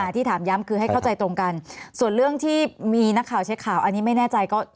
ที่ถามย้ำคือให้เข้าใจตรงกันส่วนเรื่องที่มีนักข่าวเช็คข่าวอันนี้ไม่แน่ใจ